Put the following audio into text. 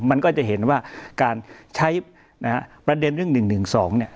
มันก็จะเห็นว่าการใช้นะฮะประเด็นเรื่อง๑๑๒เนี่ย